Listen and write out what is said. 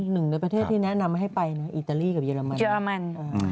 หนึ่งในประเทศที่แนะนำให้ไปนะอิตาลีกับเรมันเยอรมัน